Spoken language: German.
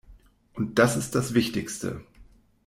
Und das ist das Wichtigste.